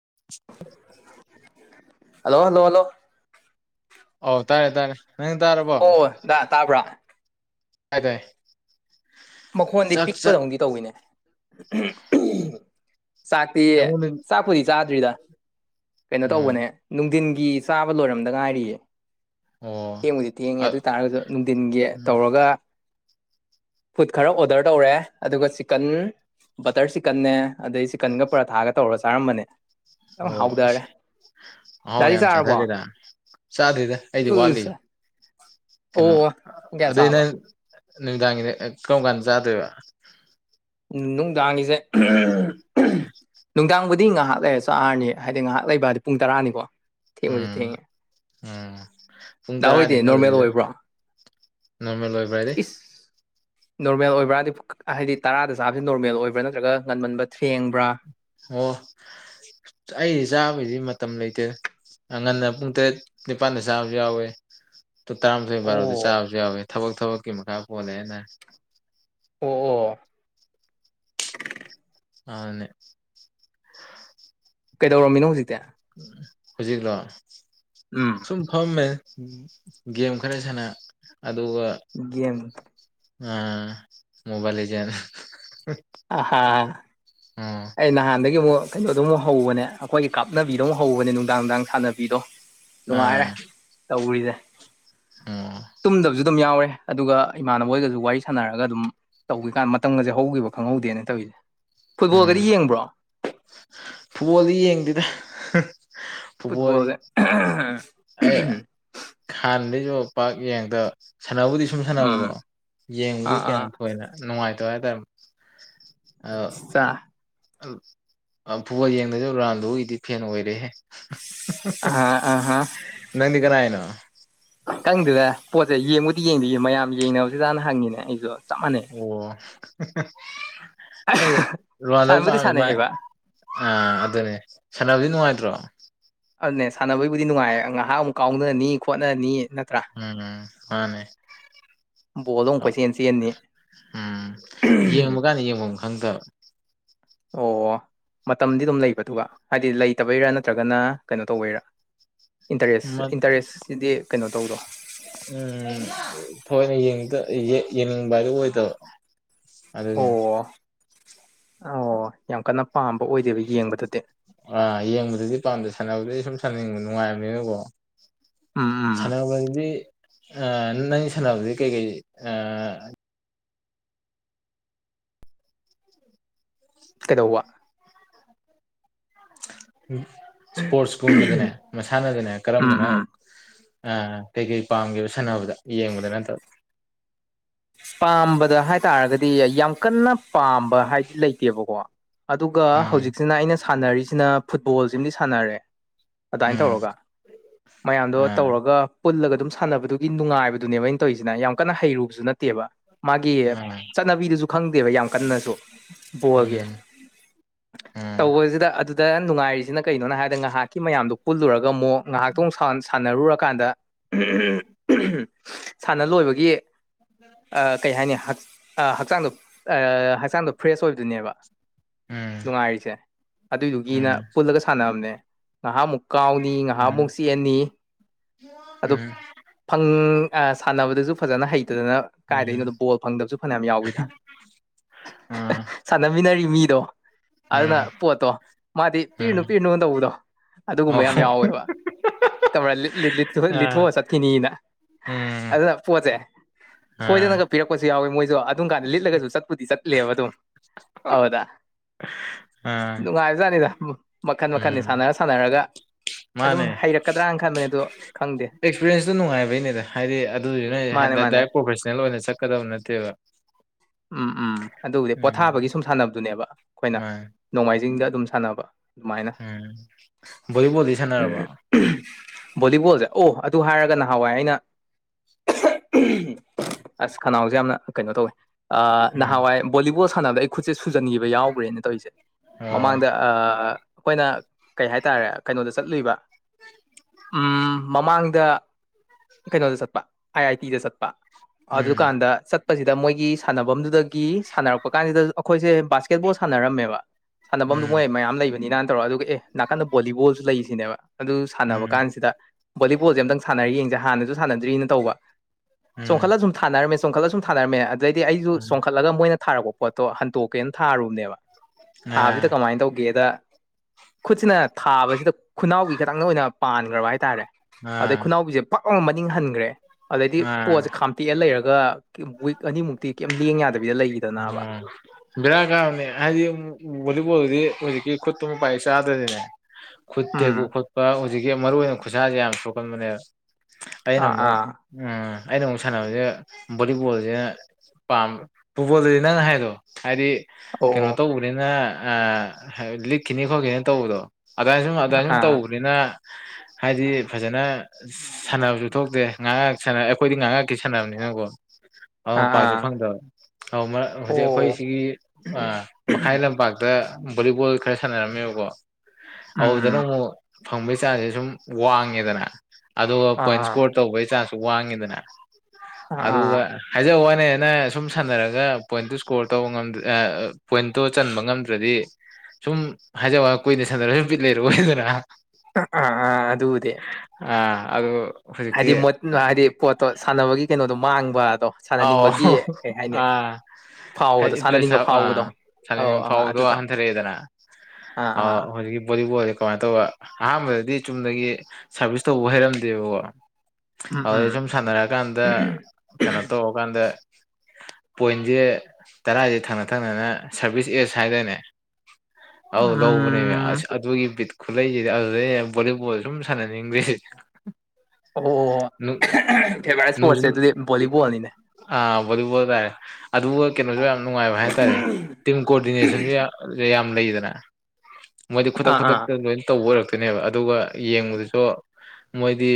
ꯍ hello hello hello ꯑꯣꯧ ꯇꯥꯔꯦ ꯇꯥꯔꯦ ꯅꯪ ꯇꯥꯔꯕꯣ ꯑꯣꯗ ꯇꯥꯕ꯭ꯔꯥ ꯑꯗꯦ ꯃꯈꯣꯟꯗꯤ ꯄꯤꯛꯄꯗꯧꯗꯤ ꯇꯧꯏꯤꯅꯦ ꯆꯥꯛꯇꯤ ꯑꯩꯉꯣꯟꯗ ꯆꯥꯛꯄꯨꯗꯤ ꯆꯥꯗ꯭ꯔꯤꯗ ꯀꯩꯅꯣ ꯎꯝ ꯇꯧꯕꯅꯦ ꯅꯨꯡꯊꯤꯟ ꯒꯤꯤ ꯆꯥꯕ ꯂꯣꯏꯔꯝꯗ ꯉꯥꯏꯔꯤꯌꯦ ꯑꯣ ꯊꯦꯡꯕꯨꯗꯤ ꯊꯦꯡꯉꯦ ꯑ ꯑꯗꯨ ꯑꯣꯏ ꯇꯥꯔꯒꯁꯨ ꯅꯨꯡꯊꯤꯟꯒꯤ ꯎꯝ ꯇꯧꯔꯒ ꯐꯨꯗ ꯈꯔ ꯑꯣꯗꯔ ꯇꯧꯔꯦ ꯑꯗꯨꯒ ꯆꯤꯀꯟ ꯕꯇꯔ ꯆꯤꯛꯀꯟꯅꯦ ꯑꯗꯩ ꯆꯤꯛꯀꯟꯒ ꯄꯔꯥꯊꯥꯒ ꯇꯧꯔꯒ ꯆꯥꯔꯝꯕꯅꯦ ꯑ ꯍꯥꯎꯗꯔꯦ ꯑꯥꯎ ꯌꯥꯝ ꯆꯥꯊꯔꯦꯗ ꯆꯥꯗ꯭ꯔꯤꯗ ꯑꯩꯗꯤ ꯋꯥꯠꯂꯤ ꯎꯁ ꯑꯣ ꯀꯩꯅꯣ ꯄꯨꯡ ꯀꯌꯥ ꯑꯗꯩꯅ ꯆꯥꯕ ꯅꯨꯃꯤꯗꯥꯡꯒꯤꯅꯦ ꯀꯔꯝ ꯀꯥꯟꯗ ꯆꯥꯗꯣꯏꯕ ꯎ ꯅꯨꯡꯗꯥꯡꯉꯁꯦ ꯅꯨꯡꯗꯥꯡꯕꯨꯗꯤ ꯑꯗꯨꯗꯤ ꯉꯥꯏꯍꯥꯛ ꯂꯩꯔꯦ ꯆꯥꯔꯅꯤ ꯍꯥꯏꯗꯤ ꯉꯥꯏꯍꯥꯛ ꯂꯩꯕ ꯍꯥꯏꯗꯤ ꯄꯨꯡ ꯇꯔꯥꯅꯤꯀꯣ ꯊꯦꯡꯕꯗꯤ ꯊꯦꯡꯉꯦ ꯎ ꯄꯨꯡ ꯗꯥ ꯇꯔꯥꯅꯤ ꯍꯣꯏꯗꯤ ꯅꯣꯔꯃꯦꯜ ꯉꯜꯜꯂꯤꯗ ꯑꯣꯏꯕ꯭ꯔꯣ ꯅꯣꯔꯃꯦꯜ ꯑꯣꯏꯕ꯭ꯔ ꯍꯥꯏꯗꯤ ꯏꯁ ꯅꯣꯔꯃꯦꯜ ꯑꯣꯏꯕ꯭ꯔꯥꯗꯤ ꯍꯥꯏꯗꯤ ꯇꯔꯥꯗ ꯆꯥꯕꯁꯤ ꯅꯣꯔꯃꯦꯜ ꯑꯣꯏꯕ꯭ꯔꯥ ꯅꯠꯇ꯭ꯔꯒ ꯉꯟꯃꯟꯕ ꯊꯦꯡꯕ꯭ꯔꯥ ꯑꯣ ꯑꯩꯗꯤ ꯆꯥꯕꯩꯗꯤ ꯃꯇꯝ ꯂꯩꯇꯦ ꯑꯉꯟꯅ ꯄꯨꯡ ꯇꯔꯦꯠ ꯅꯤꯄꯥꯜꯗ ꯁꯥꯕꯁꯨ ꯌꯥꯎꯋꯦ ꯇ ꯇꯔꯥꯃꯥꯊꯣꯏ ꯕꯥꯔꯣꯗꯤ ꯑꯣ ꯆꯥꯕꯁꯨ ꯌꯥꯎꯋꯦ ꯊꯕꯛ ꯊꯕꯛꯀꯤ ꯃꯈꯥ ꯄꯣꯜꯂꯦꯅ ꯑꯣ ꯑꯣ ꯑꯅꯦ ꯀꯩꯗꯧꯔꯝꯃꯤꯅꯣ ꯍꯧꯖꯤꯛꯇꯤ ꯍꯧꯖꯤꯒꯂꯣ ꯎꯝ ꯁꯨꯝ ꯐꯝꯃꯦ ꯎ ꯒꯦꯝ ꯈꯔ ꯁꯥꯟꯅ ꯑꯗꯨꯒ ꯒꯦꯝ ꯑ ꯃꯣꯕꯥꯥꯏꯜꯖ ꯑꯍꯥ ꯑꯩ ꯅꯍꯥꯟꯗꯒꯤ ꯑꯃꯨꯛ ꯀꯩꯅꯣꯗꯧꯨꯛ ꯍꯧꯕꯅꯦ ꯑꯩꯈꯣꯏꯒꯤ ꯀꯥꯞꯅꯕꯤꯗꯣ ꯑꯃꯨꯛ ꯍꯧꯕꯅꯦ ꯅꯨꯡꯗꯥꯡ ꯅꯨꯡꯗꯥꯡ ꯁꯥꯟꯅꯕꯤꯗꯣ ꯅꯨꯡꯉꯥꯏꯔꯦ ꯑꯥ ꯇꯧꯔꯤꯗ ꯑꯣ ꯇꯨꯝꯗꯕꯁꯨ ꯑꯗꯨꯝ ꯌꯥꯎꯋꯦ ꯑꯗꯨꯒ ꯏꯃꯥꯟꯅꯕꯣꯏꯒꯁꯨ ꯋꯥꯔꯤ ꯁꯥꯟꯅꯔꯒ ꯑꯗꯨꯝ ꯇꯧꯈꯤꯀꯥꯟ ꯃꯇꯝꯒꯁꯦ ꯍꯧꯈꯤꯕ ꯈꯪꯍꯧꯗꯦꯅ ꯇꯧꯔꯤꯁꯦ ꯐꯨꯠꯕꯣꯒꯦ ꯎꯝ ꯐꯨꯠꯕꯣꯜꯗꯤ ꯌꯦꯡꯗꯦꯗ ꯐꯨꯠꯕꯣꯜꯁꯦ ꯄꯨꯄꯗꯤ ꯑ ꯈꯥꯟ ꯏꯣ ꯄꯥꯛ ꯌꯦꯡꯗ ꯁꯥꯟꯅꯕꯕꯨꯗꯤ ꯁꯨꯝ ꯎꯝ ꯁꯥꯟꯅꯕꯀꯣ ꯌꯦꯡꯕꯨꯗꯤ ꯑꯥ ꯑꯥ ꯀꯌꯥ ꯊꯣꯏꯅ ꯅꯨꯡꯉꯥꯏꯇ ꯇꯋ ꯇꯔ ꯑꯆꯥ ꯐꯨꯠꯕꯣꯜ ꯌꯦꯡꯗꯁꯨ ꯔꯥꯟꯗꯨꯒꯤꯗꯤ ꯐꯦꯟ ꯑꯣꯏꯔꯦꯍꯦ ꯑꯥ ꯑꯥ ꯍꯥ ꯅꯪꯅꯤ ꯀꯅꯥ ꯍꯥꯏꯅ ꯀꯪꯗꯨꯗ ꯄꯣꯠꯁꯦ ꯌꯦꯡꯉꯕꯨꯗꯤ ꯌꯦꯡꯗꯣꯏ ꯃꯌꯥꯝ ꯌꯦꯡꯅꯕꯁꯨ ꯆꯥꯅ ꯍꯪꯉꯤꯅꯦ ꯑꯩꯁꯨ ꯆꯞ ꯃꯥꯟꯅꯩ ꯑꯣ ꯑꯩ ꯂꯨꯍꯜꯗꯧꯕ ꯁꯥꯟꯕꯨꯗꯤ ꯄꯥꯝꯃꯤ ꯃꯥꯏ ꯁꯥꯟꯅꯩꯌꯦꯕ ꯑꯥ ꯑꯗꯨꯅꯦ ꯁꯅꯥꯕꯗꯤ ꯅꯨꯡꯉꯥꯏꯇ꯭ꯔꯣ ꯑꯗꯨꯅꯦ ꯁꯥꯟꯅꯕꯒꯤꯕꯨꯗꯤ ꯅꯨꯡꯉꯥꯏꯌꯦ ꯉꯥꯏꯍꯥꯛ ꯑꯃꯨꯛ ꯀꯥꯎꯅꯔꯅꯤ ꯈꯣꯠꯅꯔꯅꯤ ꯎꯝ ꯍꯅꯦ ꯕꯣꯜꯗꯣ ꯑꯃꯨꯛ ꯀꯣꯏꯆꯦꯟ ꯆꯦꯟꯅꯤ ꯎꯝ ꯌꯦꯡꯉꯨ ꯀꯅꯤ ꯌꯦꯡꯉꯨ ꯍꯪꯒꯥ ꯑꯣ ꯃꯇꯝꯗꯤ ꯑꯗꯨꯝ ꯂꯩꯕꯗꯨ ꯍꯥꯏꯗꯤ ꯂꯩꯇꯕꯩꯔꯥ ꯅꯠꯇ꯭ꯔꯒꯅ ꯀꯩꯅꯣ ꯇꯧꯕꯩꯔꯥ ꯏꯟꯇꯔꯦꯁ ꯃ ꯏꯟꯇꯔꯦꯁꯁꯤꯗꯤ ꯀꯩꯅꯣ ꯇꯧꯗꯣ ꯎꯝ ꯊꯣꯛꯣꯏꯅ ꯌꯦ ꯌꯦꯡꯅꯤꯡꯕ ꯍꯥꯏꯗ ꯑꯣꯏꯗꯕ ꯑꯗꯨꯒꯤꯅꯤ ꯑꯣ ꯑꯣ ꯌꯥꯝ ꯀꯟꯅ ꯄꯥꯝꯕ ꯑꯣꯏꯗꯦꯕ ꯌꯦꯡꯕꯗꯗꯤ ꯑꯥ ꯌꯦꯡꯕꯗꯗꯤ ꯄꯥꯝꯗ ꯁꯥꯟꯅꯕꯗꯩ ꯁꯨꯝ ꯁꯥꯟꯅꯤꯡꯕ ꯅꯨꯡꯉꯥꯏꯕꯅꯤꯅꯀꯣ ꯎꯝ ꯎꯝ ꯁꯥꯟꯅꯕꯒꯤꯗꯤ ꯑ ꯅꯪ ꯁꯥꯟꯅꯕꯗꯤ ꯀꯩꯀꯩ ꯑ ꯀꯩꯗꯧꯕ ꯎ ꯏꯁꯄꯣꯔꯠꯁꯀꯨꯝꯕꯗꯅꯦ ꯃꯁꯥꯟꯅꯗꯅꯦ ꯎꯝ ꯀꯔꯝꯕꯅ ꯎꯝ ꯑ ꯀꯩꯀꯩ ꯄꯥꯝꯒꯦꯕ ꯁꯥꯟꯅꯕꯗ ꯌꯦꯡꯕꯗ ꯅꯠꯇꯕ ꯄꯥꯝꯕꯗ ꯍꯥꯏꯇꯥꯔꯒꯗꯤ ꯌꯥꯝ ꯀꯟꯅ ꯄꯥꯝꯕ ꯍꯥꯏꯗꯤ ꯂꯩꯇꯦꯕꯀꯣ ꯑꯗꯨꯒ ꯎꯝ ꯍꯧꯖꯤꯛꯁꯤꯅ ꯑꯩꯅ ꯁꯥꯟꯅꯔꯤꯁꯤꯅ ꯐꯨꯠꯕꯣꯜꯁꯤꯃꯗꯤ ꯁꯥꯟꯅꯔꯦ ꯑꯗꯨꯃꯥꯏꯅ ꯎꯝ ꯇꯧꯔꯒ ꯃꯌꯥꯝꯗꯣ ꯑꯥ ꯇꯧꯔꯒ ꯄꯨꯜꯂꯒ ꯑꯗꯨꯝ ꯁꯥꯟꯅꯕꯗꯨꯒꯤ ꯅꯨꯡꯉꯥꯏꯕꯗꯨꯅꯦꯕ ꯑꯩꯅ ꯇꯧꯔꯤꯁꯤꯅ ꯌꯥꯝ ꯀꯟꯅ ꯍꯩꯔꯨꯕꯁꯨ ꯅꯠꯇꯦ ꯅꯠꯇꯦꯕ ꯃꯥꯒꯤ ꯑꯥ ꯆꯠꯅꯕꯤꯗꯨꯁꯨ ꯈꯪꯗꯦꯕ ꯌꯥꯝ ꯀꯟꯅꯁꯨ ꯕꯣꯜꯒꯤ ꯎꯝ ꯎꯝ ꯇꯧꯕꯁꯤꯗ ꯑꯗꯨ ꯗ ꯅꯨꯡꯉꯥꯏꯔꯤꯁꯤꯅ ꯀꯩꯅꯣ ꯍꯥꯏꯔꯗ ꯉꯥꯏꯍꯥꯛꯀꯤ ꯃꯌꯥꯝꯗꯣ ꯄꯨꯜꯂꯨꯔꯒ ꯑꯃꯨꯛ ꯉꯥꯏꯍꯥꯛꯇꯣ ꯁꯥꯟꯅꯔꯨꯔ ꯀꯥꯟꯗ ꯁꯥꯟꯅ ꯂꯣꯏꯕꯒꯤ ꯀꯩ ꯍꯥꯏꯅꯤ ꯍꯛꯆꯥꯡꯗꯣ ꯍꯛꯆꯥꯡꯗꯣ ꯐ꯭ꯔꯦꯁ ꯑꯣꯏꯗꯨꯣꯏꯅꯦꯕ ꯎꯝ ꯅꯨꯡꯉꯥꯏꯔꯤꯁꯦ ꯑꯗꯨꯏꯗꯨꯒꯤꯅ ꯎꯝ ꯄꯨꯜꯂꯒ ꯁꯥꯟꯅꯕꯅꯦ ꯉꯥꯏꯍꯥꯛꯃꯨꯛ ꯀꯥꯎꯅꯤ ꯎꯝ ꯉꯥꯏꯍꯥꯃꯨꯛ ꯆꯦꯑꯅꯤ ꯑꯗꯨ ꯎꯝ ꯐꯪ ꯑ ꯁꯥꯟꯅꯕꯗꯁꯨ ꯐꯖꯅ ꯍꯩꯇꯗꯅ ꯎꯝ ꯀꯥꯏꯗꯅꯣꯗꯣ ꯕꯣꯜ ꯐꯪꯗꯕꯁꯨ ꯐꯅꯌꯥꯝ ꯌꯥꯎꯋꯤꯗ ꯑ ꯁꯥꯟꯅꯃꯤꯟꯅꯔꯤ ꯃꯤꯗꯣ ꯎꯝ ꯑꯗꯨꯅ ꯄꯣꯠꯇꯣ ꯃꯥꯗꯤ ꯎꯝ ꯄꯤꯔꯤꯨꯅꯨ ꯄꯤꯔꯨꯅꯨ ꯇꯧꯕꯗꯣ ꯑꯗꯨꯒꯨꯝꯕ ꯌꯥꯝ ꯑꯥ ꯌꯥꯎꯋꯦꯕ ꯀꯥ ꯂꯤꯠꯊꯣꯛꯑ ꯆꯠꯈꯤꯅꯤꯅ ꯎꯝ ꯑꯗꯨ ꯄꯣ ꯆꯩꯦ ꯁꯣꯏꯗꯅꯒ ꯑꯥ ꯄꯤꯔꯛꯄꯁꯨ ꯌꯥꯎꯋꯤ ꯃꯣꯏꯁꯨ ꯑꯗꯨꯝ ꯀꯥꯟꯗ ꯂꯤꯠꯂꯒꯁꯨ ꯆꯠꯄꯨꯗꯤ ꯆꯠꯂꯦꯕ ꯑꯗꯨꯝ ꯍꯥꯎꯗ ꯑꯥ ꯅꯨꯡꯉꯥꯏꯖꯥꯠꯅꯤꯗ ꯃꯈꯟ ꯃꯈꯟꯅꯤ ꯎꯝ ꯁꯥꯟꯅꯔ ꯁꯥꯟꯅꯔꯒ ꯑꯗꯨꯝ ꯍꯩꯔꯛꯀꯗ꯭ꯔꯅ ꯈꯟꯕꯅꯦ ꯑꯗꯣ ꯈꯪꯗꯦ ꯑꯦꯛꯁꯄꯤꯔꯌꯦꯦꯟꯁꯇꯣ ꯅꯨꯡꯉꯥꯏꯕꯩꯅꯦꯗ ꯍꯥꯏꯗꯤ ꯑꯗꯨꯗꯨ ꯃꯥꯅꯦ ꯃꯥꯅꯦ ꯅꯗꯥꯏ ꯄ꯭ꯔꯣꯐꯦ ꯑꯣꯏꯅ ꯆꯠꯀꯗꯕ ꯅꯠꯇꯦꯕ ꯎꯝ ꯎꯝ ꯑꯗꯨꯕꯨꯗꯤ ꯎꯝ ꯄꯣꯊꯥꯕꯒꯤ ꯁꯨꯝ ꯁꯥꯟꯅꯕꯗꯨꯅꯦꯕ ꯑꯩꯈꯣꯏꯅ ꯃꯥꯅꯦ ꯅꯣꯡꯃꯥꯏꯖꯤꯡꯗ ꯑꯗꯨꯝ ꯁꯥꯟꯅꯕ ꯑꯗꯨꯃꯥꯏꯅ ꯎꯝ ꯚꯣꯂꯤꯕꯣꯜꯗꯤ ꯁꯥꯟꯅꯔꯕ ꯚꯣꯂꯤꯕꯣꯜꯁꯦ ꯑꯣ ꯑꯗꯨ ꯍꯥꯏꯔꯒ ꯅꯍꯥꯟꯋꯥꯏ ꯑꯩꯅ ꯑꯁ ꯀꯅꯥꯎꯁꯦ ꯌꯥꯝꯅ ꯀꯩꯅꯣ ꯇꯧꯋꯦ ꯎꯝ ꯅꯍꯥꯟꯋꯥꯏ ꯕꯣꯂꯤꯕꯣꯜ ꯁꯥꯟꯅꯕꯗ ꯑꯩ ꯁꯦ ꯁꯨꯖꯟꯈꯤꯕ ꯌꯥꯎꯈ꯭ꯔꯦꯅ ꯇꯧꯔꯤꯁꯦ ꯑꯣ ꯃꯃꯥꯡꯗ ꯑꯩꯈꯣꯏꯅ ꯀꯩ ꯍꯥꯏꯇꯥꯔꯦ ꯀꯩꯅꯣꯗ ꯆꯠꯂꯨꯏꯕ ꯎ ꯃꯃꯥꯡꯗ ꯀꯩꯅꯣꯗ ꯆꯠꯄ ꯑꯥꯏ ꯑꯥꯏ ꯇꯤꯗ ꯆꯠꯄ ꯑꯗꯨꯗꯨ ꯎꯝ ꯀꯥꯟꯗ ꯆꯠ ꯆꯠꯄꯁꯤꯗ ꯃꯣꯏꯒꯤ ꯁꯥꯟꯅꯐꯝꯗꯨꯗꯒꯤ ꯁꯥꯟꯅꯔꯛꯄ ꯀꯥꯟꯁꯤꯗ ꯑꯩꯈꯣꯏꯁꯦ ꯕꯥꯁꯀꯦꯠ ꯕꯣꯜ ꯁꯥꯟꯅꯔꯝꯃꯦꯕ ꯁꯥꯟꯅꯐꯝꯗꯨꯣ ꯎꯝ ꯃꯣꯏ ꯃꯌꯥꯝ ꯂꯩꯕꯅꯤꯅꯅ ꯇꯧꯔꯒ ꯑꯗꯨꯒ ꯑꯦ ꯅꯥꯀꯟꯗ ꯕꯣꯂꯤꯕꯣꯜꯁꯨ ꯂꯩꯔꯤꯁꯤꯅꯦꯕ ꯑꯗꯨ ꯁꯥꯟꯅꯕ ꯎꯝ ꯀꯥꯟꯁꯤꯗ ꯕꯣꯂꯤꯕꯣꯜꯁꯦ ꯑꯝꯇꯪ ꯁꯥꯟꯅꯔꯤ ꯌꯦꯡꯁꯦ ꯍꯥꯟꯅꯁꯨ ꯁꯥꯟꯅꯗ꯭ꯔꯤꯅ ꯇꯧꯕ ꯎꯝ ꯆꯣꯡꯈꯠꯂ ꯁꯨꯝ ꯊꯥꯅꯝꯃꯦ ꯆꯣꯡꯈꯠꯂ ꯁꯨꯝꯝ ꯊꯥꯔꯝꯃꯦ ꯑꯗꯩꯗꯤ ꯑꯩꯁꯨ ꯎꯝ ꯆꯣꯡꯈꯠꯂꯒ ꯃꯣꯏꯅ ꯊꯥꯔꯛꯄ ꯄꯣꯠꯇꯣ ꯍꯟꯇꯣꯛꯀꯦꯅ ꯊꯥꯔꯨꯕꯅꯦꯕ ꯊꯥꯕꯁꯤꯗ ꯑ ꯀꯃꯥꯏꯅ ꯇꯧꯒꯦꯗ ꯈꯨꯠꯁꯤꯅ ꯊꯥꯕꯁꯤꯗ ꯈꯨꯅꯥꯎꯒꯤ ꯈꯈꯤꯇꯪꯗ ꯑꯣꯏꯅ ꯄꯥꯟꯈ꯭ꯔꯕ ꯍꯥꯏꯇꯥꯔꯦ ꯑꯗꯩ ꯑ ꯈꯨꯅꯥꯎꯕꯤꯁꯦ ꯄꯛ ꯃꯅꯤꯡ ꯍꯟꯈ꯭ꯔꯦ ꯑꯗꯩꯗꯤ ꯄꯣꯠꯁꯦ ꯈꯥꯝꯇꯦꯛꯑ ꯂꯩꯔꯒ ꯋꯤꯛ ꯑꯅꯤꯃꯨꯛꯇꯤ ꯀꯩꯝ ꯂꯦꯡ ꯌꯥꯗꯕꯤꯗ ꯂꯩꯈꯤꯗꯅꯕ ꯕꯔ ꯀꯥꯎ ꯑꯗꯤ ꯚꯣꯂꯤꯕꯣꯜꯗꯤ ꯍꯧꯖꯤꯛꯀꯤ ꯈꯨꯠꯇꯨ ꯃꯄꯥꯏ ꯆꯥꯗ꯭ꯔꯅꯤꯅꯦ ꯈꯨꯠ ꯎꯝ ꯇꯦꯛꯄ ꯈꯣꯠꯄ ꯍꯧꯖꯤꯛꯀꯤ ꯃꯔꯨ ꯑꯣꯏꯅ ꯈꯨꯠꯁꯥꯁꯦ ꯌꯥꯝ ꯁꯣꯛꯀꯟꯕꯅꯦꯕ ꯑꯩꯅ ꯑꯥ ꯑꯃꯨꯛ ꯑꯥ ꯎ ꯑꯩꯅ ꯑꯃꯨꯛ ꯁꯥꯟꯅꯕꯁꯦ ꯚꯣꯂꯤꯕꯣꯜꯁꯤꯅ ꯄꯥꯝꯕꯃꯦ ꯐꯨꯠꯕꯣꯜꯗꯗꯤ ꯅꯪ ꯍꯥꯏꯗꯣ ꯍꯥꯏꯗꯤ ꯑꯣ ꯀꯩꯅꯣ ꯑꯣ ꯇꯧꯕꯅꯤꯅ ꯂꯤꯛꯈꯤꯅꯤ ꯈꯣꯠꯈꯤꯅꯤꯅ ꯇꯧꯕꯗꯣ ꯑꯗꯨꯃꯥꯏꯅ ꯁꯨꯝ ꯑꯗꯨꯃꯥꯏꯅ ꯁꯨꯝ ꯑꯥ ꯇꯧꯕꯅꯤꯅ ꯍꯥꯏꯗꯤ ꯐꯖꯅ ꯁꯥꯟꯅꯕꯁꯨ ꯊꯣꯛꯇꯦ ꯉꯥꯏꯍꯥꯛꯍꯥꯛ ꯁ ꯑꯩꯈꯣꯏꯗꯤ ꯉꯥꯏꯍꯥꯛꯀꯤ ꯁꯥꯟꯅꯕꯅꯤꯅꯪꯀꯣ ꯑꯥ ꯑꯥꯎ ꯑꯥ ꯄꯥꯛꯁꯨ ꯑꯥ ꯐꯪꯗꯕ ꯑ ꯍꯧꯖꯤꯛ ꯑꯩꯈꯣꯏ ꯑꯣ ꯁꯤꯒꯤ ꯃꯈꯥꯏ ꯂꯝꯄꯥꯛꯇ ꯚꯣꯂꯤꯕꯣꯜ ꯈꯔ ꯁꯥꯟꯅꯔꯝꯃꯦꯕꯀꯣ ꯑꯗꯨꯗꯅ ꯎꯝ ꯑꯃꯨꯛ ꯐꯪꯕꯩ ꯆꯥꯟꯁꯦ ꯁꯨꯝ ꯋꯥꯡꯉꯦꯗꯅ ꯑꯗꯨꯒ ꯑꯥ ꯄꯣꯏꯟ ꯑꯥ ꯏꯁꯀꯣꯔ ꯇꯧꯕꯒꯤ ꯆ ꯨ ꯋꯥꯉꯗꯅ ꯑꯥ ꯑꯥ ꯋꯥ ꯍꯪꯅꯅ ꯁꯨꯝ ꯁꯥꯟꯅꯔꯒ ꯄꯣꯏꯟꯠꯇꯨ ꯏꯁꯀꯣꯔ ꯇꯧꯕ ꯉ ꯄꯣꯏꯟꯠꯇꯣ ꯆꯟꯕ ꯉꯝꯗ꯭ꯔꯗꯤ ꯁꯨꯝ ꯍꯥꯏꯖꯕ ꯀꯨꯏꯅ ꯁꯟꯗꯔꯒ ꯁꯨꯝ ꯄꯤꯠ ꯂꯩꯔꯑꯣ ꯑꯣꯏꯗꯅ ꯑ ꯑꯥ ꯑꯗꯗ ꯑꯗ ꯍꯥꯏꯗꯤ ꯃꯣꯠ ꯍꯥꯏꯗꯤ ꯄꯣꯠꯇꯣ ꯁꯥꯟꯅꯕꯒꯤ ꯀꯩꯅꯣꯗꯣ ꯃꯥꯡꯕ ꯑ ꯑ ꯐꯥꯎꯕꯗꯣ ꯏ꯭ꯔꯦꯁ ꯁꯥꯟꯅꯅꯤꯡꯕ ꯑ ꯐꯥꯎꯕꯗꯣ ꯑꯧ ꯑꯥ ꯐꯥꯎꯗꯣ ꯑꯗꯨꯗꯣ ꯍꯟꯊꯔꯛꯑꯦꯗꯅ ꯑꯥ ꯑ ꯑꯥ ꯍꯧꯖꯤꯕꯨ ꯀꯃꯥꯏꯅ ꯇꯧꯕ ꯑꯍꯥꯟꯕꯗꯗꯤ ꯆꯨꯝꯗꯒꯤ ꯁꯥꯔꯚꯤꯁ ꯇꯧꯕ ꯍꯩꯔꯝꯗꯦꯕꯀꯣ ꯎꯝ ꯎꯝ ꯑꯗꯨꯗꯩ ꯁꯨꯝ ꯁꯥꯟꯅꯔꯛꯑꯀꯥꯟꯗ ꯀꯩꯅꯣ ꯇꯧꯔꯀꯥꯟꯗ ꯄꯣꯏꯟꯁꯦ ꯇꯔꯥꯏꯁꯦ ꯊꯪꯅ ꯊꯪꯅꯅ ꯁꯔꯚꯤꯁ ꯑꯦꯖ ꯍꯥꯏꯗꯅꯦ ꯑꯧ ꯂꯧꯕꯅꯦꯕ ꯎꯝ ꯑꯁ ꯑꯗꯨꯒꯤ ꯈꯨꯠꯂꯩꯁꯤꯗꯤ ꯑꯗꯨꯗꯩ ꯚꯣꯂꯤꯕꯣꯜ ꯁꯨꯝ ꯁꯥꯟꯅꯅꯤꯡꯗ꯭ꯦ ꯑꯣ ꯐꯦꯕꯔꯥꯏꯠ ꯅꯨꯡꯁꯨ ꯏꯁꯄꯣꯣꯔꯠꯁꯦ ꯑꯗꯨꯗꯤ ꯣꯂꯤꯕꯣꯜꯅꯤꯅꯦ ꯑꯥ ꯚꯣꯂꯤꯕꯣꯜ ꯇꯥꯏ ꯑꯗꯨ ꯀꯩꯅꯣꯁꯨ ꯑꯥ ꯌꯥꯝ ꯅꯨꯡꯉꯥꯏꯕ ꯍꯥꯏꯇꯥꯔꯦ ꯇꯤꯝ ꯀꯣꯑꯣꯗꯤꯅꯦꯁꯟꯁꯨ ꯌꯥꯝ ꯂꯩꯗꯅ ꯃꯣꯏꯗꯤ ꯈꯨꯗꯛ ꯑꯥ ꯑꯥ ꯈꯨꯗꯛꯇ ꯂꯣꯏꯅ ꯇꯧꯕ ꯑꯣꯏꯔꯛꯇ ꯑꯗꯨꯅꯦꯕ ꯑꯗꯨꯒ ꯌꯦꯡꯕꯗꯨꯁꯨ ꯃꯣꯏꯗꯤ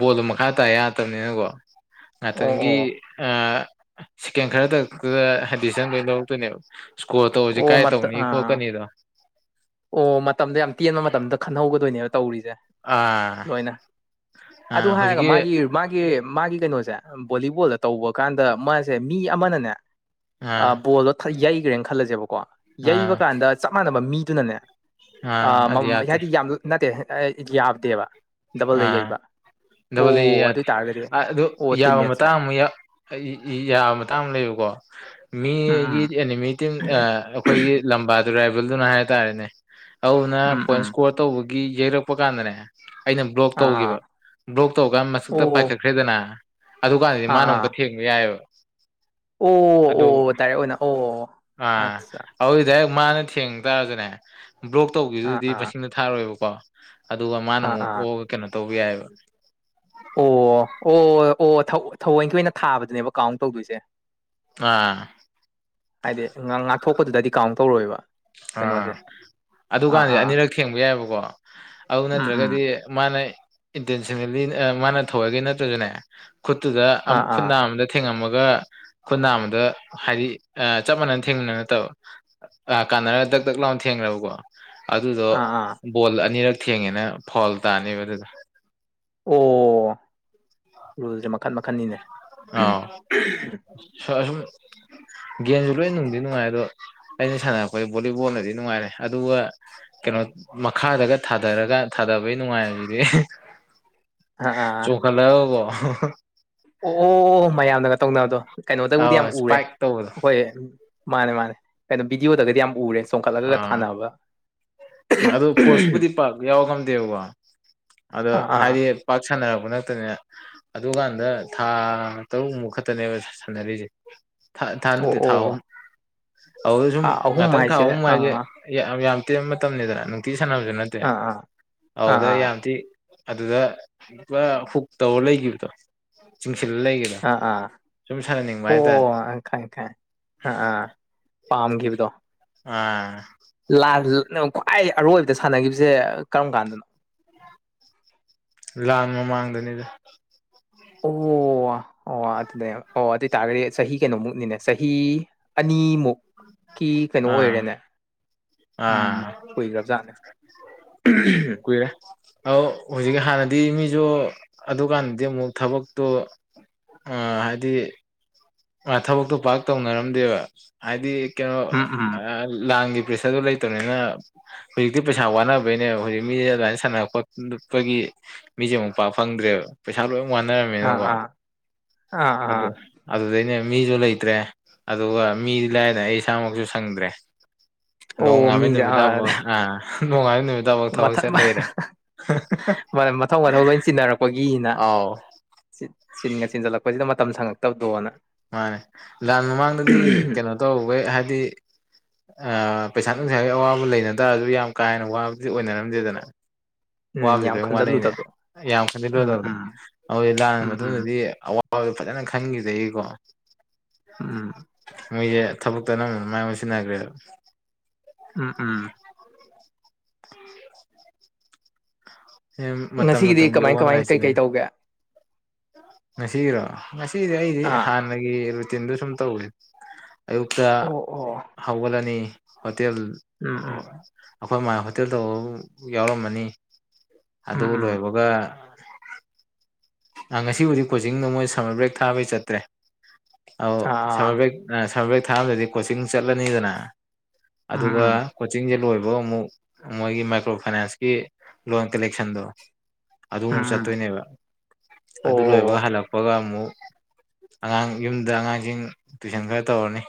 ꯕꯣꯜꯗꯣ ꯃꯈꯥ ꯇꯥ ꯌꯥꯛꯇꯕꯅꯤꯅꯀꯣ ꯑꯣ ꯉꯥꯛꯇꯪꯒꯤ ꯑꯣ ꯆꯀꯦꯟ ꯈꯔꯗꯛꯇꯨꯗ ꯍꯥꯏꯟꯗꯤꯁꯟ ꯂꯣꯏ ꯂꯧꯔꯛꯇꯣꯏꯅꯦꯕ ꯏꯁꯀꯣꯔ ꯇꯧꯕꯁꯦ ꯑꯣ ꯀꯥꯏ ꯃ ꯇꯧꯅꯤ ꯑ ꯈꯣꯠꯀꯅꯤꯗꯣ ꯑꯣ ꯃꯦ ꯑ ꯇꯤ ꯃꯇꯝꯗ ꯈꯟꯍꯧꯒꯗꯣꯏꯅꯦꯕ ꯇꯧꯔꯤꯁꯦ ꯑꯥ ꯂꯣꯏꯅ ꯑꯗꯨ ꯑꯥ ꯍꯥꯏꯔꯒ ꯍꯧꯖꯤꯛꯀꯤ ꯃꯥꯒꯤ ꯃꯥꯒꯤ ꯃꯥꯒꯤ ꯀꯩꯅꯣꯁꯦ ꯚꯣꯂꯤꯕꯣꯜꯗ ꯇꯧꯕ ꯀꯥꯟꯗ ꯃꯥꯁꯦ ꯃꯤ ꯑꯃꯅꯅꯦ ꯑꯥ ꯕꯣꯜꯗꯣ ꯌꯩꯈ꯭ꯔꯦꯅ ꯈꯜꯂꯁꯦꯕꯀꯣ ꯑꯥ ꯌꯩꯕ ꯀꯥꯟꯗ ꯆꯞ ꯃꯥꯟꯅꯕ ꯃꯤꯗꯨꯅꯅꯦ ꯑꯥ ꯃ ꯑꯗꯤꯌꯥ ꯍꯥꯏꯕꯗꯤ ꯌꯥꯝ ꯅꯠꯇꯦ ꯌꯥꯗꯦꯕ ꯗꯕꯜꯗ ꯑꯥ ꯌꯩꯕ ꯗꯕꯜ ꯑꯦ ꯑꯣ ꯑꯗꯨꯏ ꯌꯥꯗꯦ ꯇꯥꯔꯒꯗꯤ ꯑꯗꯨ ꯑꯣ ꯌꯥꯕ ꯇꯤꯝꯃꯦꯠꯁꯦ ꯃꯇꯥꯡ ꯑꯃ ꯌꯥꯕ ꯃꯇꯥꯡ ꯑꯃ ꯂꯩꯌ ꯀꯣ ꯎꯝ ꯃꯤꯒꯤ ꯎꯝ ꯑꯦꯅꯤꯃꯤ ꯇꯤꯝ ꯑꯩꯈꯣꯏꯒꯤ ꯂꯝꯕꯥ ꯗꯔꯥꯏꯕꯦꯜꯗꯨꯅ ꯍꯥꯏ ꯇꯔꯦꯅꯦ ꯑꯗꯨꯅ ꯎꯝ ꯄꯣꯏꯟ ꯎꯝ ꯏꯁꯀꯣꯔ ꯇꯧꯕꯒꯤ ꯌꯩꯔꯛꯄ ꯀꯥꯟꯗꯅꯦ ꯑꯩꯅ ꯕ꯭ꯂꯣꯛ ꯑꯥ ꯑꯥ ꯇꯧꯈꯤꯕ ꯕ꯭ꯂꯣꯛ ꯇꯧꯀꯥꯟꯗ ꯃꯁꯛꯇ ꯑꯣ ꯄꯥꯏꯈꯠꯈ꯭ꯔꯦꯗꯅ ꯑꯗꯨꯀꯥꯟꯗꯗꯤ ꯑꯥ ꯃꯥꯅ ꯑꯥ ꯑꯃꯨꯛꯀ ꯊꯦꯡꯕ ꯌꯥꯏꯑꯕ ꯑꯣ ꯑꯗ ꯑꯣ ꯗꯥꯏꯔꯦꯛ ꯑꯣꯏꯅ ꯑꯣ ꯑꯠꯆꯥ ꯑꯗ ꯃꯥꯅ ꯊꯦꯡ ꯇꯥꯔꯁꯤꯅꯦ ꯕ꯭ꯂꯣꯛ ꯑꯥ ꯇꯧꯕꯈꯤꯕꯗꯨꯗꯤ ꯑꯥ ꯃꯁꯤꯡꯅ ꯊꯥꯔꯣꯏꯕꯀꯣ ꯑꯗꯨꯒ ꯃꯥꯅ ꯑꯥ ꯑꯃꯨꯛ ꯑꯥ ꯑꯣꯑꯒ ꯀꯩꯅꯣ ꯇꯧꯕ ꯌꯥꯏꯑꯕ ꯑꯣ ꯑꯣ ꯑꯣ ꯊꯑꯣꯏꯡꯒꯤ ꯑꯣꯏꯅ ꯊꯥꯕꯗꯨꯅꯦꯕ ꯀꯥꯎꯟ ꯇꯧꯗꯣꯏꯁꯦ ꯑꯥ ꯍꯥꯏꯗꯤ ꯉꯥꯛꯊꯣꯛꯄꯗꯨꯗꯗꯤ ꯀꯥꯎꯟ ꯇꯧꯔꯣꯏꯕ ꯑꯥ ꯀꯩꯅꯣꯁꯦ ꯑꯥ ꯑꯗꯨꯀꯥꯟꯗꯤ ꯑꯥ ꯑꯅꯤꯔꯛ ꯊꯦꯡꯕ ꯌꯥꯏꯑꯕꯀꯣ ꯎꯝ ꯑꯗꯨꯅꯠꯇ꯭ꯔꯒꯗꯤ ꯎꯝ ꯃꯥꯅ ꯏꯟꯇꯦꯟꯁꯅꯦꯜꯂꯤ ꯃꯥꯅ ꯊꯧꯑꯒꯦ ꯅꯠꯇ꯭ꯔꯁꯨꯅꯦ ꯈꯨꯠꯇꯨꯗ ꯑꯥ ꯑꯥ ꯈꯨꯟꯗꯥ ꯑꯃꯗ ꯊꯦꯡꯉꯝꯃꯒ ꯑꯗꯨꯒ ꯈꯨꯠ ꯑꯃꯗ ꯍꯥꯏꯗꯤ ꯆꯞ ꯃꯥꯟꯅꯅ ꯊꯦꯡꯅꯅ ꯅꯠꯇꯕ ꯀꯥꯟꯅꯔꯒ ꯗꯛ ꯇꯛ ꯂꯥꯎꯅ ꯊꯦꯡꯕꯀꯣ ꯑꯗꯨꯗꯣ ꯑꯥ ꯑꯥ ꯕꯣꯜ ꯑꯅꯤꯔꯛ ꯊꯦꯡꯉꯦꯅ ꯐꯣꯜ ꯇꯥꯅꯤꯕ ꯑꯗꯨꯗ ꯑꯣ ꯔꯨꯜꯁꯦ ꯃꯈꯟ ꯃꯈꯟꯅꯤꯅꯦ ꯑꯥꯎ ꯑꯁꯨꯝ ꯒꯦꯝꯁꯨ ꯂꯣꯏ ꯅꯨꯡꯗꯤ ꯅꯨꯡꯉꯥꯏ ꯑꯗꯣ ꯑꯩꯅ ꯁꯥꯟꯅꯔꯛꯄꯩ ꯚꯣꯂꯤꯕꯣꯜꯅꯗꯤ ꯅꯨꯡꯉꯥꯏꯔꯦ ꯑꯗꯨꯒ ꯀꯩꯅꯣ ꯃꯈꯥꯗꯒ ꯊꯥꯗꯔꯒ ꯊꯥꯗꯕꯩ ꯅꯨꯡꯉꯥꯏꯗꯤ ꯑꯥ ꯑꯥ ꯆꯣꯡꯈꯠꯂꯒꯀꯣ ꯑꯣ ꯑꯣ ꯃꯌꯥꯝꯅꯒ ꯇꯧꯅꯕꯗꯣ ꯀꯩꯅꯣꯗꯕꯨꯗꯤ ꯑ ꯌꯥꯝ ꯎꯔꯦ ꯏꯁꯄꯥꯏꯛ ꯇꯧꯕꯗꯣ ꯑꯩꯈꯣꯏ ꯎ ꯃꯥꯅꯦ ꯃꯥꯅꯦ ꯀꯩꯅꯣ ꯕꯤꯗꯤ ꯑꯣꯗꯒꯗꯤ ꯌꯥꯝ ꯎꯔꯦꯁꯦ ꯆꯣꯡꯈꯠꯂꯒꯒ ꯑꯥ ꯊꯥꯅꯕ ꯀꯣ ꯑꯗꯣ ꯑꯥ ꯑꯥ ꯍꯥꯏꯗꯤ ꯄꯥꯛ ꯁꯅꯔꯕ ꯑꯗꯨ ꯀꯥꯟꯗ ꯊꯥ ꯇꯔꯨꯛ ꯃꯨꯛ ꯈꯛꯇꯅꯦꯕ ꯁꯥꯟꯅꯔꯤꯁꯦ ꯊꯥ ꯑꯣ ꯅꯠꯇꯦ ꯊꯥ ꯑꯍꯨꯝ ꯑꯣ ꯑꯗꯨꯗ ꯁꯨꯝ ꯊꯥ ꯑꯍꯨꯝ ꯉꯥꯛꯇꯪ ꯊꯥ ꯍꯥꯏꯁꯦ ꯑꯍꯨꯝ ꯃꯁꯦ ꯑꯥ ꯌꯥꯝ ꯌꯥꯝ ꯇꯦꯟꯕ ꯃꯇꯝꯅꯤꯗꯅ ꯅꯨꯡꯇꯤ ꯁꯥꯟꯅꯕꯁꯨ ꯅꯠꯇꯦ ꯑꯥ ꯑꯥ ꯑꯥ ꯑꯗꯨꯗ ꯑꯥ ꯌꯥꯝ ꯊꯤ ꯑꯗꯨꯗ ꯄꯨꯔ ꯍꯨꯛ ꯇꯧꯔ ꯂꯩꯈꯤꯕꯗꯣ ꯆꯤꯡꯁꯤꯜꯂ ꯂꯩꯈꯤꯕꯗꯣ ꯑꯥ ꯑꯥ ꯁꯨꯝ ꯁꯥꯟꯅꯅꯤꯡꯕ ꯑꯣ ꯍꯥꯏꯇꯥꯔꯦ ꯑ ꯈ ꯑꯥ ꯑꯥ ꯄꯥꯝꯈꯤꯕꯗꯣ ꯑꯥ ꯈ꯭ꯋꯥꯏ ꯑꯔꯣꯏꯕꯗ ꯁꯥꯟꯅꯈꯤꯕꯁꯦ ꯀꯔꯝ ꯀꯥꯟꯗꯅꯣ ꯂꯥꯟ ꯃꯃꯥꯡꯗꯅꯤꯗ ꯑꯣ ꯑꯣ ꯑꯣ ꯑꯗꯨꯅꯦ ꯑꯣ ꯑꯗꯨ ꯑꯣꯏꯇꯥꯥꯔꯗꯤ ꯆꯍꯤ ꯀꯩꯅꯣꯃꯨꯛꯅꯤꯅꯦ ꯆꯍꯤ ꯑꯅꯤꯃꯨꯛ ꯀꯤ ꯀꯩꯅꯣ ꯑꯥ ꯑꯣꯏꯔꯦꯅꯦ ꯎꯝ ꯑꯥ ꯀꯨꯏꯒ꯭ꯔꯕꯖꯥꯠꯅꯦ ꯀꯨꯏꯔꯦ ꯑ ꯍꯧꯖꯤꯛ ꯍꯥꯟꯅꯗꯤ ꯃꯤꯁꯨ ꯑꯗꯨꯀꯥꯟꯗꯗꯤ ꯑꯃꯨꯛ ꯊꯕꯛꯇꯣ ꯍꯥꯏꯗꯤ ꯑ ꯊꯕꯛꯇꯣ ꯄꯥꯛ ꯇꯧꯅꯔꯝꯗꯦꯕ ꯍꯥꯏꯗꯤ ꯀꯩꯅꯣ ꯎꯝ ꯎꯝ ꯂꯥꯟꯒꯤ ꯄ꯭ꯔꯦꯁꯔꯗꯨ ꯂꯩꯇꯕꯅꯤꯅ ꯍꯧꯖꯤꯛꯇꯤ ꯄꯩꯁꯥ ꯋꯥꯅꯕꯩꯅꯦ ꯍꯧꯖꯤꯛ ꯃꯤꯁꯦ ꯑꯗꯨꯃꯥꯏꯅ ꯁꯥꯟꯅꯔꯛꯄꯣꯄꯒꯤ ꯃꯤꯁꯦ ꯑꯃꯨꯛ ꯄ ꯐꯪꯗ꯭ꯔꯦꯕ ꯄꯩꯁꯥ ꯂꯣꯏꯅ ꯑꯥ ꯋꯥꯅꯔꯝꯃꯤꯅꯀꯣ ꯑꯥ ꯑꯥ ꯑꯥ ꯑꯗꯨ ꯑꯅꯦ ꯃꯤꯁꯨ ꯂꯩꯇ꯭ꯔꯦ ꯑꯗꯨꯒ ꯃꯤꯗꯤ ꯂꯥꯏꯗꯅ ꯑꯩ ꯏꯁꯥꯃꯛꯁꯨ ꯁꯪꯗ꯭ꯔꯦ ꯅꯣꯡ ꯑꯣ ꯉꯥꯟꯕ ꯃꯤꯁꯦ ꯑꯥ ꯅꯨꯃꯤꯠꯇꯐꯥꯎ ꯑꯥ ꯅꯣꯡꯉꯥꯥꯟꯕ ꯅꯨꯃꯤꯠꯇꯐꯥꯎ ꯊꯕꯛ ꯃꯊꯪ ꯆꯠ ꯂꯩꯔꯦ ꯃꯊꯧ ꯃꯊꯧ ꯂꯣꯏ ꯆꯤꯟꯅꯔꯛꯄꯒꯤꯅ ꯑꯥꯎ ꯆꯤꯟꯒ ꯆꯤꯟꯖꯜꯂꯛꯄꯁꯤꯗ ꯃꯇꯝ ꯁꯪꯉꯛꯇꯕꯗꯣꯅ ꯃꯥꯅꯦ ꯂꯥꯟ ꯃꯃꯥꯡꯗꯗꯤ ꯀꯩꯅꯣ ꯇꯧꯈꯩ ꯍꯥꯏꯗꯤ ꯄꯩꯁꯥ ꯅꯨꯡꯁꯥꯒꯤ ꯑꯋꯥꯕ ꯂꯩꯅ ꯇꯥꯔꯁꯨ ꯌꯥꯝ ꯀꯥ ꯍꯦꯟꯅ ꯋꯥꯕꯗꯤ ꯑꯣꯏꯅꯔꯝꯗꯦꯗꯅ ꯎꯝ ꯑꯕꯨꯗꯤ ꯌꯥꯝ ꯂꯣꯏ ꯋꯥꯅꯩꯅꯦ ꯈꯟꯖꯜꯂꯨꯗꯕꯗꯣ ꯌꯥꯝ ꯎꯝ ꯈꯟꯗꯤꯗ꯭ꯔꯗꯕꯗꯣ ꯎꯝ ꯑꯗꯨ ꯂꯥꯟ ꯎꯝ ꯎꯝ ꯃꯇꯨꯡꯗꯗꯤ ꯑꯋꯥꯕ ꯐꯖꯅ ꯈꯡꯒꯤꯕꯗꯩꯀꯣ ꯎꯝ ꯃꯣꯏꯁꯦ ꯊꯕꯛꯇ ꯅꯝꯕꯗ ꯃꯥꯢ ꯑꯣꯟꯁꯤꯟꯅꯒꯔꯤꯗꯣ ꯎꯝ ꯎꯝ ꯃꯇꯝ ꯉꯁꯤꯒꯤꯗꯤ ꯃꯇꯝꯒꯤ ꯀꯃꯥꯏ ꯑꯋꯟꯕ ꯀꯃꯥꯏ ꯍꯥꯏꯁꯤꯅꯦ ꯀꯩꯀꯩ ꯇꯧꯒꯦ ꯉꯁꯤꯒꯤꯔꯣ ꯉꯁꯤꯗꯤ ꯑꯩꯗꯤ ꯑꯥ ꯍꯥꯟꯅꯒꯤ ꯔꯨꯇꯤꯟꯗꯨ ꯁꯨꯝ ꯇꯧꯋꯤ ꯑꯌꯨꯛꯇ ꯑꯣ ꯑꯣ ꯍꯧꯒꯠꯂꯅꯤ ꯍꯣꯇꯦꯜ ꯎꯝ ꯎꯝ ꯑꯩꯈꯣꯏ ꯃꯥ ꯍꯣꯇꯦꯜ ꯇꯧꯕ ꯌꯥꯎꯔꯝꯃꯅꯤ ꯑꯗ ꯎꯝ ꯎꯝ ꯎꯂꯦꯕꯒ ꯑ ꯉꯁꯤꯕꯨꯗꯤꯛ ꯀꯣꯆꯤꯡꯗꯣ ꯃꯣꯏ ꯁꯝꯃꯔ ꯕ꯭ꯔꯦꯛ ꯊꯥꯕꯩ ꯆꯠꯇ꯭ꯔꯦ ꯑꯧ ꯑꯥ ꯁꯝꯃꯔ ꯕꯦꯛ ꯁꯝꯃꯔ ꯕ꯭ꯔꯦꯛ ꯊꯥꯔꯝꯗꯗꯤ ꯀꯣꯆꯤꯡ ꯆꯠꯂꯅꯤꯗꯅ ꯎꯝ ꯑꯗꯨꯒ ꯎꯝ ꯀꯣꯆꯤꯡꯁꯦ ꯂꯣꯏꯕ ꯕꯣ ꯑꯃꯨꯛ ꯃꯣꯏꯒꯤ ꯃꯥꯏꯀ꯭ꯔꯣ ꯐꯥꯏꯅꯥꯟꯁꯀꯤ ꯂꯣꯟ ꯀꯂꯦꯛꯁꯟꯗꯣ ꯑꯗꯨꯃꯨꯛ ꯎꯝ ꯎꯝ ꯆꯠꯇꯣꯏꯅꯦꯕ ꯑꯣ ꯑꯗꯨ ꯂꯣꯏꯕꯒ ꯍꯜꯂꯛꯄꯒ ꯑꯗꯨꯒ ꯑꯃꯨꯛ ꯑꯉꯥꯡ ꯌꯨꯝꯗ ꯑꯉꯥꯡꯁꯤꯡ ꯇꯨꯏꯁꯟ ꯈꯔ ꯇꯧꯔꯅꯤ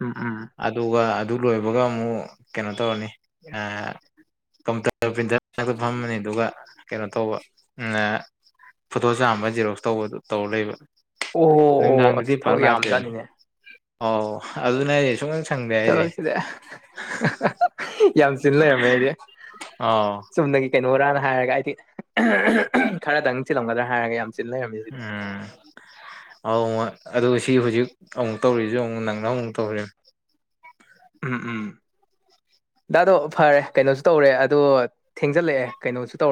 ꯎꯝ ꯎꯝ ꯑꯗꯨꯒ ꯑꯗꯨ ꯂꯣꯏꯕꯒ ꯑꯃꯨꯛ ꯀꯩꯅꯣ ꯇꯧꯔꯅꯤ ꯀꯝꯄꯨꯇꯔ ꯄ꯭ꯔꯤꯟꯇꯔ ꯉꯥꯛꯇ ꯐꯝꯃꯅꯤ ꯑꯗꯨꯒ ꯀꯩꯅꯣ ꯇꯧꯕ ꯐꯣꯇꯣ ꯆꯥꯝꯕ ꯖꯦꯔꯣꯛꯁ ꯇꯧꯕ ꯇꯧꯔ ꯂꯩꯕ ꯑꯣ ꯑꯣ ꯅꯨꯃꯤꯗꯥꯡꯗꯗꯤ ꯑꯁ ꯄꯔ ꯊꯕꯛ ꯂꯥꯛꯀꯦ ꯌꯥꯝꯖꯥꯠꯅꯤꯅꯦ ꯑꯣ ꯑꯗꯨꯅ ꯑꯩ ꯁꯨꯝ ꯆꯂꯣꯁꯤꯗꯦ ꯌꯥ ꯂꯩꯔꯝꯃꯦ ꯍꯥꯏꯗꯤ ꯑꯧ ꯁꯨꯝ ꯀꯩꯅꯣ ꯣꯔꯥꯅ ꯍꯥꯏꯔꯒ ꯑꯩꯗꯤ ꯈꯔꯗꯪ ꯆꯤꯜꯂꯝꯒꯗ꯭ꯔꯥ ꯍꯥꯏꯔꯒ ꯌꯥꯝ ꯆꯤꯜ ꯂꯩꯔꯝꯃꯤ ꯁꯤꯗꯤ ꯎꯝ ꯑ ꯑ ꯁꯤ ꯍꯧꯖꯤꯛ ꯑꯃꯨꯛ ꯇꯧꯔꯤꯁꯤ ꯑꯃꯨꯛ ꯅꯪꯅ ꯑꯃꯨꯛ ꯇꯧꯔꯤ ꯎꯝ ꯎꯝ ꯗꯥꯗꯣ ꯐꯔꯦ ꯀꯩꯅꯣꯁꯨ ꯇꯧꯔꯦ ꯑꯗꯣ ꯊꯦꯡꯖꯤꯜꯂꯛꯑꯦ ꯀꯩꯅꯣꯁꯨ ꯇꯧꯔꯦ